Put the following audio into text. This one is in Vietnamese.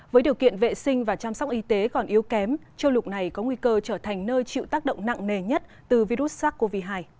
với điều kiện vệ sinh và chăm sóc y tế còn yếu kém châu lục này có nguy cơ trở thành nơi chịu tác động nặng nề nhất từ virus sars cov hai